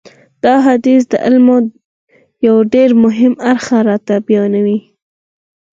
دا حدیث د علم یو ډېر مهم اړخ راته بیانوي.